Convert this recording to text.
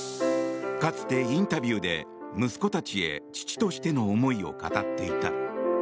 かつて、インタビューで息子たちへ父としての思いを語っていた。